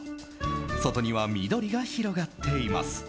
外には緑が広がっています。